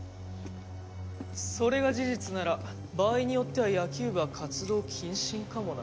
それが事実なら場合によっては野球部は活動謹慎かもな。